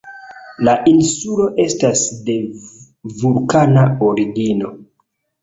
La insulo estas de vulkana origino.